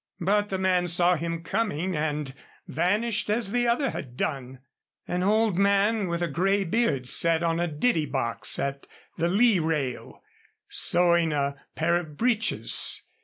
But the man saw him coming and vanished as the other had done. An old man with a gray beard sat on a ditty box at the lee rail, sewing a pair of breeches.